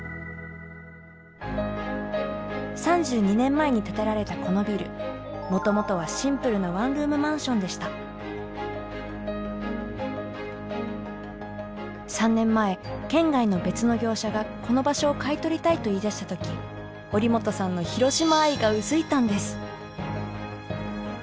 ３２年前に建てられたこのビルもともとは３年前県外の別の業社がこの場所を買い取りたいと言いだした時折本さんの広島愛がうずいたんです。